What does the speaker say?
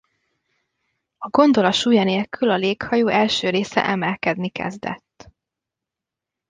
A gondola súlya nélkül a léghajó első része emelkedni kezdett.